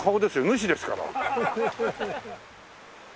主ですから。